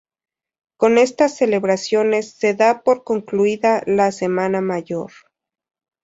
Con estas celebraciones se da por concluida la Semana Mayor.